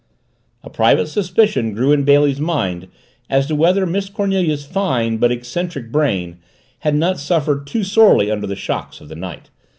A private suspicion grew in Bailey's mind as to whether Miss Cornelia's fine but eccentric brain had not suffered too sorely under the shocks of the night.